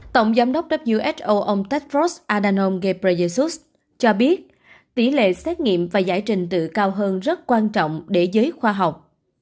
tổng giám đốc who ông tedros anom ghebreyesus cho biết tỷ lệ xét nghiệm và giải trình tự cao hơn rất quan trọng để giới khoa học